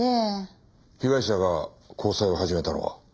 被害者が交際を始めたのは？